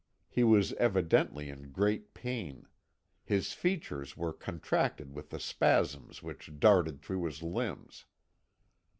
He was evidently in great pain; his features were contracted with the spasms which darted through his limbs.